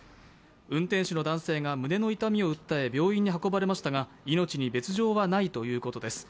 運転手の男性が胸の痛みを訴え病院に運ばれましたが命に別状はないということです。